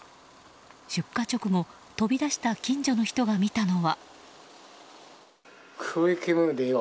出火直後、飛び出した近所の人が見たのは。